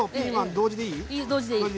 同時でいい。